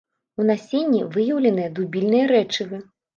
У насенні выяўленыя дубільныя рэчывы.